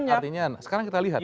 artinya sekarang kita lihat